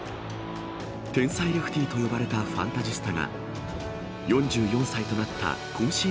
天才レフティーと呼ばれたファンタジスタが、４４歳となった今シ